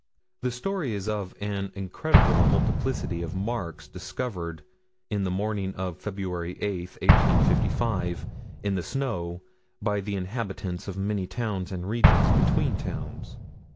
The story is of an incredible multiplicity of marks discovered in the morning of Feb. 8, 1855, in the snow, by the inhabitants of many towns and regions between towns.